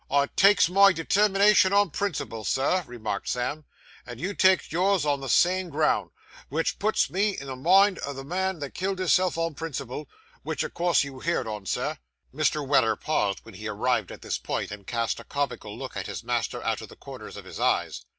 'I takes my determination on principle, Sir,' remarked Sam, 'and you takes yours on the same ground; wich puts me in mind o' the man as killed his self on principle, wich o' course you've heerd on, Sir.' Mr. Weller paused when he arrived at this point, and cast a comical look at his master out of the corners of his eyes.